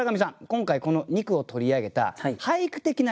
今回この２句を取り上げた俳句的な理由